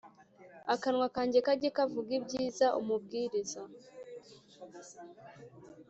Akanwa kanjye kajye kavuga ibyiza umbwiriza